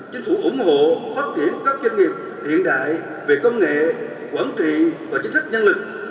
chính phủ ủng hộ phát triển các doanh nghiệp hiện đại về công nghệ quản trị và chính sách nhân lực